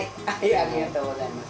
ありがとうございます。